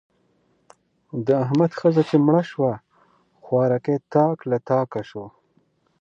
د احمد ښځه چې مړه شوه؛ خوارکی تاک له تاکه شو.